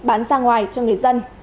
bán ra ngoài cho người dân